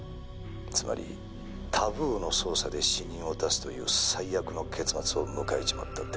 「つまりタブーの捜査で死人を出すという最悪の結末を迎えちまったってわけだ」